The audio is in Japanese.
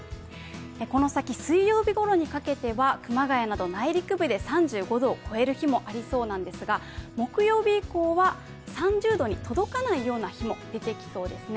この先、水曜日ごろにかけては熊谷など内陸部で３５度を超える日もありそうなんですが木曜日以降は３０度に届かないような日も出てきそうですね。